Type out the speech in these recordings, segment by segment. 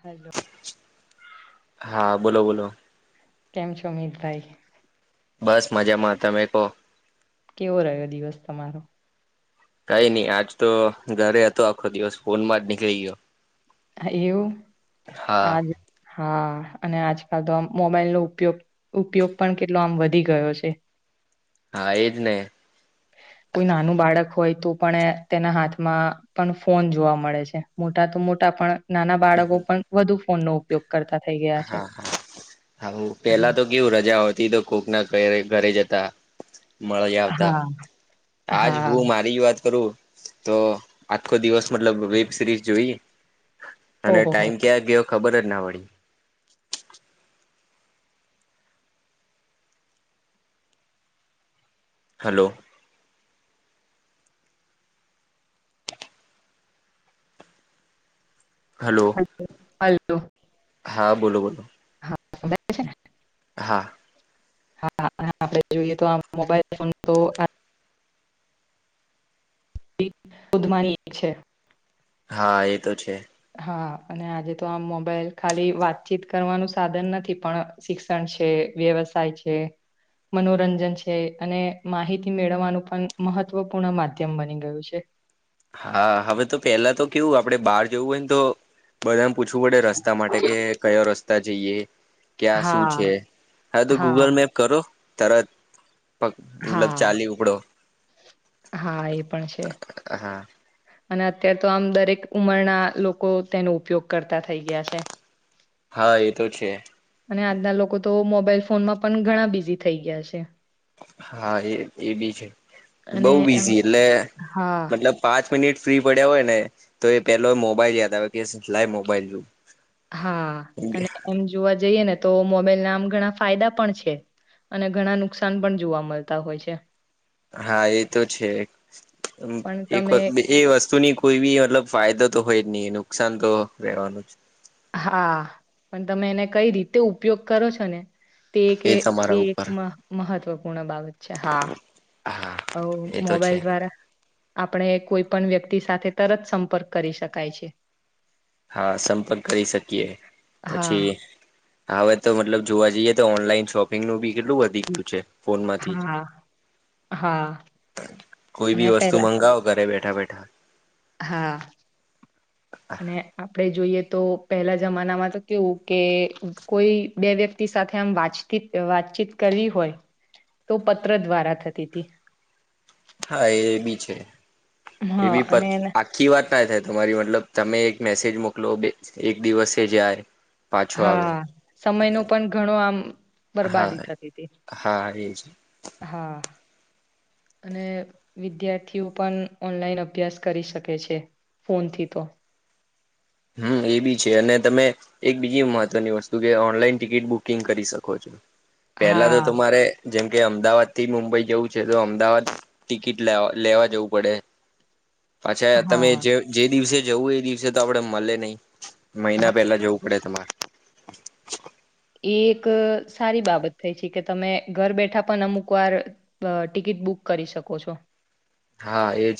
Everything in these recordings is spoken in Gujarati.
હેલો હા, બોલો બોલો કેમ છો, અમિતભાઈ? બસ મજામાં, તમે કો? કેવો રહ્યો દિવસ, તમારો? કઈ નઈ આજ તો ઘરે હતો આખો દિવસ ફોન માં જ નીકળી ગયો એવું હા આજ હા અને આજકાલ તો આમ મોબાઈલ નો ઉપયોગ ઉપયોગ પણ કેટલો આમ વધી ગયો છે હા એજ ને કોઈ નાનું બાળક હોય પણ તેના હાથમાં પણ ફોન જોવા મળે છે મોટા તો મોટા પણ નાના બાળકો પણ વધુ ફોનનો ઉપયોગ કરતા થઈ ગયા છે હા હા હું પેલા તો કેવું રજા હો તી કોકના ઘરે જતા મળી આવતા હા આજ હા હું મારી વાત કરું તો આજખો દિવસ મતલબ વેબ સિરીઝ જોઈ અને ઓહો હો ટાઈમ ક્યાં ગયો ખબર જ ના પડી હલો હલો હલો હા બોલો બોલો છે હા હા હ આપણે જોઈએ તો આ મોબાઈલ ફોન તો [unintelligible] એક છે હા એ તો છે હા અને આજે તો આમ મોબાઈલ ખાલી વાતચીત કરવાનું સાધન નથી પણ શિક્ષણ છે વ્યવસાય છે મનોરંજન છે અને માહિતી મેળવવાનું પણ મહત્વપૂર્ણ માધ્યમ બની ગયું છે હા હવે તો પેલા તો કેવું આપડે બહાર જવું હોય ને તો બધા પૂછવું પડે રસ્તા માટે કે કયો રસ્તા જઈએ ક્યાં શું છે હા હા તો ગૂગલ મેપ કરો તરત પ મતલબ હા ચાલી ઉપડો હા એ પણ છે હા અને અત્યારે તો આમ દરેક ઉમરના લોકો તેનો ઉપયોગ કરતા થઈ ગયા છે હા એ તો છે અને આજના લોકો તો મોબાઈલ ફોનમાં પણ ઘણા બિઝી થઈ ગયા છે હા એ એ બી છે અને બહું એમ બીઝી એટલે હા મતલબ પાંચ મિનિટ ફ્રી પડ્યા હોય ને તો એ પેલો મોબાઈલ યાદ આવે કે લાઈ મોબાઈલ જોવું હા અને એમ જોવા જઈએ ને તો મોબાઈલ ના આમ ઘણા ફાયદા પણ છે અને ઘણા નુકસાન પણ જોવા મળતા હોય છે હા એ તો છે પણ એક તમે એ વસ્તુની કોઈ બી મતલબ ફાયદો તો હોય જ નહી નુકસાન તો રહેેવાનું જ હા પણ તમે એને કઈ રીતે ઉપયોગ કરો છો ને તે એક એ તમારા એક ઉપર મહત્વપૂર્ણ બાબત છે હા હા હવ એ તો છે મોબાઈલ દ્વારા આપણે કોઈ પણ વ્યક્તિ સાથે તરત સંપર્ક કરી શકાય છે હા સંપર્ક કરી શકીએ હા પછી હવે તો મતલબ જોવા જઈએ તો ઓનલાઈન શોપિંગનું બી કેટલું વધી ગયું છે ફોનમાંથી જ હા હા કોઈ અને બી વસ્તુ પેલા મંગાવો ઘરે બેઠા બેઠા હા અને આપડે જોઈએ તો પહેલા જમાનામાં તો કેવું કે કોઈ બે વ્યક્તિ સાથે આમ વાંચતી વા વાતચીત કરવી હોય તો પત્ર દ્વારા થતી હતી હા એ બી છે એ હા બી અને એને આખી વાત ના થાય તમારી મતલબ તમે એક મેસેજ મોકલો એક દિવસે જાય પાછો આવે હા સમય ન પણ ઘણો આમ હા બરબાદી થતી હતી હા એજ હા અને વિદ્યાર્થીઓ પણ ઓનલાઈન અભ્યાસ કરી શકે છે, ફોનથી તો હમ એ બી છે અને તમે એક બીજી મહત્વની વસ્તુ કે ઓનલાઈન ટિકિટ બુકિંગ કરી શકો છો. પેલા તો હા તમારે જેમ કે અમદાવાદ થી મુંબઈ જવું છે, તો અમદાવાદ ટિકિટ લ લેવા જવું પડે [inaudible] પછા તમે હા જે જે દિવસે જવું એ દિવસે તો આપડે મળે નહી, હા મહિના પેલા જવું પડે તમારે, એ એક સારી બાબત થઈ છે, કે તમે ઘર બેઠા પણ અમુક વાર ટિકિટ બુક કરી શકો છો. હા, એજ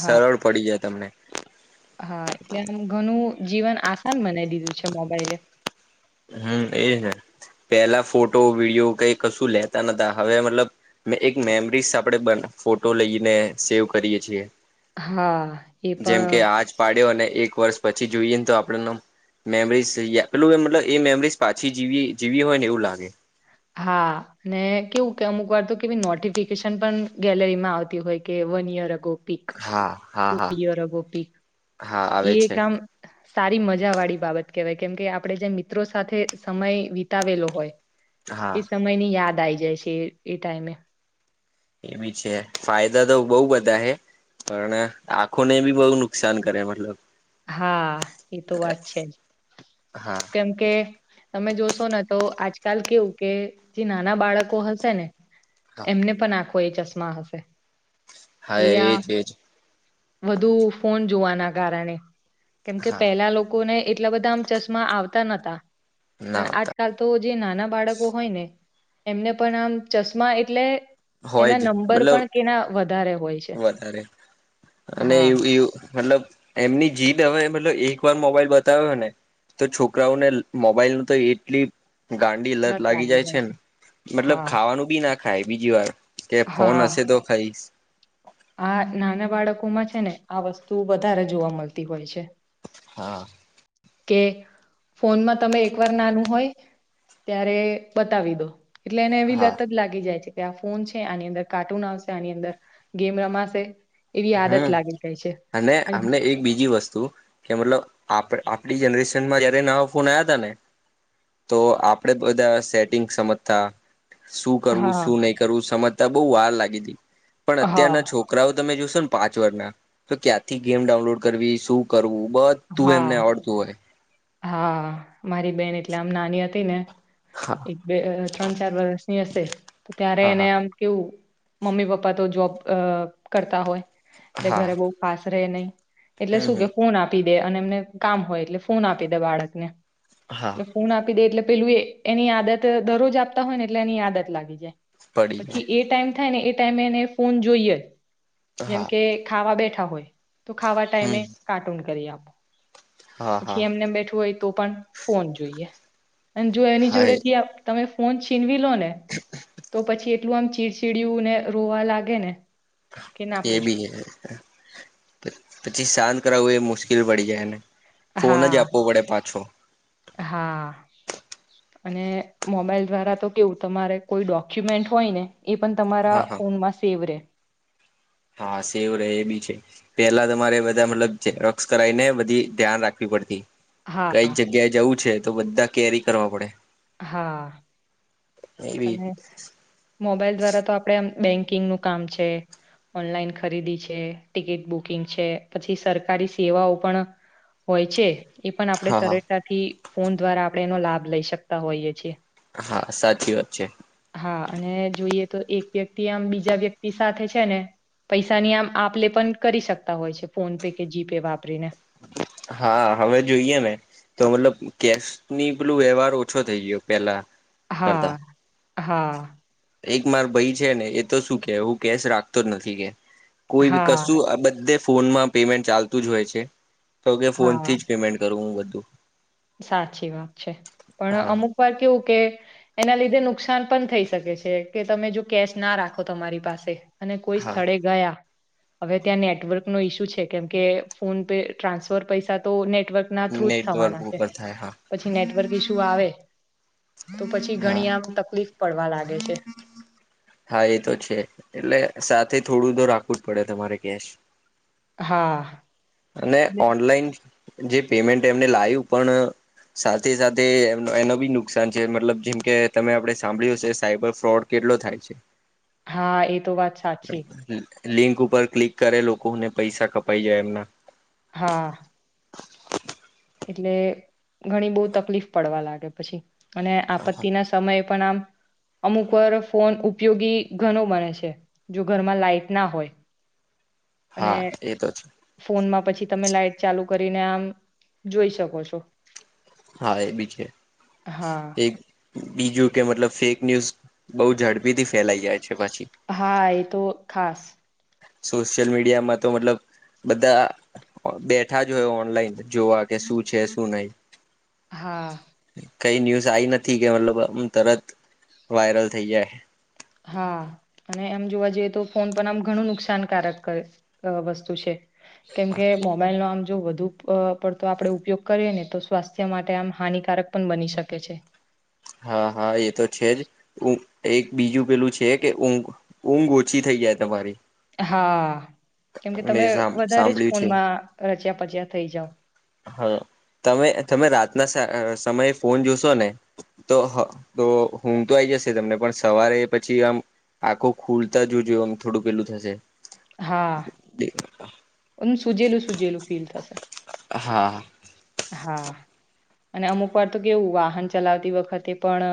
હા સરળ પડી જાય તમને હા એટલે આમ ઘણું જીવન આસાન બનાવી દીધું છે, મોબાઈલે હમ્મ એજને પેલા ફોટો વિડીયો કઈ કશું લેતા નતા હવે મતલબ મે એક મેમરીસ આપણેે બ ફોટો લઈને સેવ કરીયએ છીએ, હા, એ જેમ કે પણ આજ પાડ્યો અને એક વર્ષ પછી જોઈએ, આપ મેમરીઝેલું મતલ એ મેમરીઝ પાછી જીવી જીવી હોય ને એવું લાગે. હા, અને કેવું કે અમુક વાર તો કેવી નોટિફિકેશન પણ ગેલેરીમાં આવતી હોય કે, વન ઇયર અગો પીક હા હા ટુ હા ઇયર અગોપીક હા એ આવે છે કામ સારી મજા વાળી બાબત કહેવાય કેમ કે આપડે જે મિત્રો સાથે સમય વિતાવેલો હોય, એ હા સમયની યાદ આઈ જાય છે એ ટાઈમે એમ છે ફાયદા તો બઉ બધા હે પણ આંખોને બી બહુ નુકસાન કરે મતલબ હા, એ તો વાત છે. હા કેમકે તમે જોશો ને તો આજ કલ કેવું કે જે નાના બાળકો હશે, ને હા એમને પણ આપ કો ચશ્માા હશે, હા, એ આ એજ એજ વધુ ફોન જોવાના કારણે કેમકે હા પહેલા લોકોને એટલા બધા આમ ચશ્મા આવતા નહતા ના અને હોતા આજકાલ તો, જે નાના બાળકો હોય, ને એમને પણ આમ ચશ્મા એટલે હોય એના જ નંબર મતલબ પણ કેના વધારે હોય છે, વધારે અને હા મતલબ એમની જીત હવે મતલબ એક વાર મોબાઈલ બતાવ્યોને તો છોકરાઓને મોબાઈલ ન તો એટલી ગાંડી લત લાગી જાય છે, ને મતલબ હા ખાવાનું બી ના ખાય બીજી વાર કે ફોન હા હશે તો ખાાઈ આ નાના બાળકોમાં છે ને આ વસ્તુ વધારે જોવા મળતી હોય છે. હા કે ફોનમાં તમે એક વાર નાનું હોય ત્યારે બતાવી દો, એટલે એને એવી હા લત જ લાગી જાય છે, ત્યાં ફોન છે આની અંદર કાર્ટૂન આવશે આની અંદર ગેમ રમાશે, એવી આદત હમ્મ લાગી જાય છે અને અન અમને એક બીજી વસ્તુ કે મતલબ આપડે આપડી જનરેશન માં જયારે નવા ફોન આવ્યા ત ને તો આપડે બધા સેટિંગ સમજતા શું કરવું હા શું નહી કરવું સમજતા બઉ વાર લાગી હતી, પણ અત્યારના હા છોકરાઓ તમે જો પાંચ વર ના તો ક્યાંથી ગેમ ડાઉનલોડ કરવી શું કરવું, બધ તું એમને હા આવડતું હોય હા મારી બેન એટલે આમ નાની હતી ને હા એક બે ત્રણ ચાર વરષની હશે તો ત્યારે હા એને હા આમ કેવું મમ્મી પપ્પા તો જોબ કરતા હોય એલે હા ઘરે બહ ખાસ રહે નહીિ એટલે હમ શું હમ કે ફોન આપી દે અને એમને કામ હોય એટલે ફોન આપી દે બાળકને હા એ ફોન આપી દે એટલે પેલું એ એની આદત દરરોજ આપતા હોય ને એટલે એની આદત લાગી જાય પડી પછી ગયા એ ટાઈમ થાય ને એ ટાઈમે એને ફોન જોઈએ જ જેમ હા કે ખાવા બેઠા તો ખાવા ટાઈમે હમ કાર્ટૂન કરી આપો હા હા પછી એમને બેઠું હોય તો પણ ફોન જોઈએ અને જો એની હા જોડે થી તમે ફોન છીનવી લો ને તો પછી એટલું આમ ચીડચીડયું ને રોવા લાગે ને કે ના એ પૂછો બી પછી શંત ું એ મુશ્કેલ પડી જાયને ફોન જ હા આપવો પડે પાછો હા અને મોબાઈલ દ્વારા તો કેવું તમારે કોઈ ડોક્યુમેન્ટ હોય ને એ પણ તમારા હા હા ફોનમાં સેવ રહેે હા સેવું રહે એ બી છે પેલા તમારે બધા મતલબ રત કરાઈને બધી ધ્યાન રાખવી પડતી હા કઈક જગ્યાએ જવું છે તો બધા કેરી કરવા પડે હા એ બી અને મોબાઈલ દ્વારા તો આપડે આમ બેંકિંગ નું કામ છે ઓનલાઈન ખરીદી છે ટિકિટ બુકિંગ છે પછી સરકારી સેવાઓ પણ હોય છે એ પણ આપણે હા હા સરળતાથી ફોન દ્વારા આપણે એનો લાભ લઈ શકતા હોઈએ છીએ હા સાચી વાત છે હા અને જોઈએ તો એક વ્યક્તિ આમ બીજા વ્યક્તિ સાથે છે ને પૈસાની આમ આપ લે પણ કરી શકતા હોય છે ફોન પે કે જીપે વાપરીને હા હવે જોઈએ ને તો મતલબ કેશ ની પેલું વ્યવહાર ઓછો થઈ ગયો પેલા હા કરતા હા એક માર ભાઈ છે ને એ તો શું કે હું કેશ રાખતો જ નથી કે કોઈ બી હા, કશું આ બધે ફોનમાં પેમેન્ટ ચાલતું જ હોય છે તો કે હા. ફોનથી જ પેમેન્ટ કરું હું બધું સાચી વાત છે પણ હા અમુક વાર કેવું કે એના લીધે નુકસાન પણ થઈ શકે છે કે તમે જો કેશ ના રાખો તમારી પાસે અને કોઈ હા સ્થળે ગયા હવે ત્યાં નેટવર્ક નો ઈસ્યુ છે કેમ કે ફોન પે ટ્રાન્સફર પૈસા તો નેટ નેટવર્ક ના થ્રુ જ થવાના છે બ થાય હા પછી નેટવર્ક ઈસુ આવે તો પછી હા ઘણી આમ તકલીફ પડવા લાગે છે હા એ તો છે એટલે સાથે થોડું તો રાખવું જ પડે તમારે કેશ હા અને એટલે- ઓનલાઈન જે પેમેન્ટ એમને લાવ્યું પણ સાથે સાથે એનો બી નુકસાન છે મતલબ જેમ કે તમે આપે સાંભળ્યું હશે સાયબર ફ્રોડ કે કેટલો થાય છે હા એ તો વાત સાચી લિંક ઉપર ક્લિક કરે લોકોને પૈસા કપાઈ જાય એમના હા એટલે ઘણી બહુ તકલીફ પડવા લાગે પછી અને આપત્તિ ના સમયે પણ આમ અમુક પર ફોન ઉપયોગી ઘણુ બને છે જો ઘરમાં લાાઈટ ના હોય [inaudible] અને હા એ તો છે ફોનમાં પછી તમે લાાઈટ ચાલુ કરીને આમ જોઈ શકો છો હા એ બી છે, હા એક બીજું કે મતલબ ફેક ન્યૂઝ બોવ ઝડપીથી ફેલાઈ જાય છે પછી હા એ તો ખાસ સોશિયલ મીડિયામાં તો મતલબ બધા બેઠા જ હોય ઓનલાઈન જોવા કે શું છે શું નહી હા કઈ ન્યૂઝ આઈ નથી કે મતલબ આમ તરત વાયરલ થઈ જાય હા અને એમ જોવા જઈએ તો ફોન પણ આમ ઘણું નુકસાનકારક કર અ વસ્તુ છે. કેમકે મોબાઈલનો આમ જો વધુ પડતો આપડે ઉપયોગ કરીએ ને તો સ્વાસ્થ્ય માટે આમ હાનિકારક પણ બની શકે છે. હા હા એ તો છે જ એક બીજું પેલું છે કે ઊઘ ઊંઘ ઓછી થઈ જાય તમારી હા કેમકે તમે મેં વધારે જ સાંભળ્યું છે ફોનમાં રચ્યા પચ્યા થઈ જાવ હા. તમે તમે રાતના સા સમયે ફોન જોશો ને તો તો હું તો આઈ જશે તમને પણ સવારે પછી આમ આખો ખુલતા જોજો આમ થોડું પેલું થશે હા. એમ સુજેલું સુજેલું ફીલ થશે હા. હા અને અમુક વાર તો કેવું વાહન ચલાવતી વખતે પણ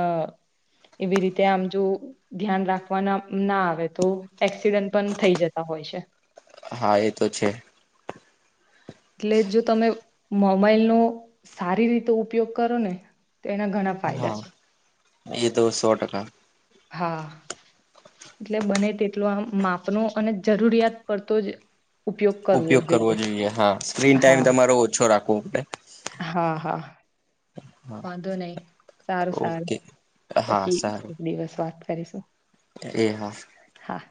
એવી રીતે આમ જો ધ્યાન રાખવાના ના આવે તો એક્સિડન્ટ પણ થઈ જતા હોય હોય છે. હા એ તો છે. એટલે જો તમે મોબાઈલનો સારી રીતે ઉપયોગ કરો ને તો એના ઘણા ફાયદા હા છે એ તો સો ટકા હા એટલે બને તેટલો આમ માપનો અને જરૂરિયાત પડતો જ ઉપયોગ કરવો જોઈએ હા સ્ક્રીન ટાઈમ હા તમારો ઓછો રાખવો પડે હા હા, વાંધો નય સારું સારું ઓકે હા પછી સારું એક દિવસ વાત કરીશું એ હા હા.